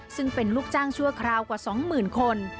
ซึ่งเป็นลูกจ้างชั่วคราวกว่าสองหมื่นคน